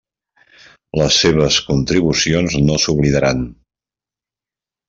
Les seves contribucions no s'oblidaran.